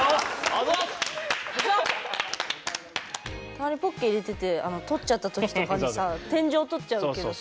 たまにポッケへ入れてて撮っちゃった時とかにさ天井を撮っちゃうけどさ。